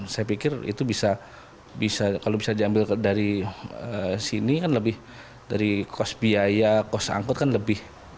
saya pikir itu bisa kalau bisa diambil dari sini kan lebih dari kos biaya kos angkut kan lebih